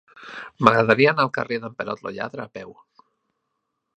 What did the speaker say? M'agradaria anar al carrer d'en Perot lo Lladre a peu.